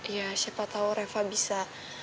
ya siapa tahu reva bisa